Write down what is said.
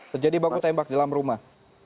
terjadi baku tembak di dalam rumah